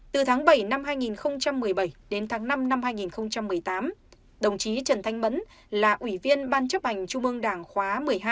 từ tháng bảy năm hai nghìn một mươi bảy đến tháng năm năm hai nghìn một mươi tám đồng chí trần thanh mẫn là ủy viên ban chấp hành trung ương đảng khóa một mươi hai